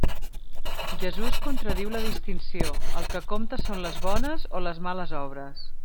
Jesús contradiu la distinció, el que compta són les bones o les males obres.